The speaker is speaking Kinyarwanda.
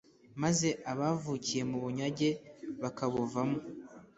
maze abavukiye mu bunyage bakabuvamo